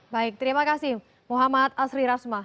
baik terima kasih muhammad asri rasmah